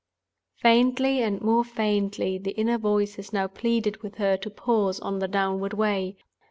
Faintly and more faintly the inner voices now pleaded with her to pause on the downward way.